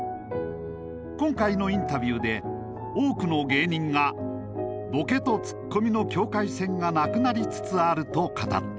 今回のインタビューで多くの芸人がボケとツッコミの境界線がなくなりつつあると語った。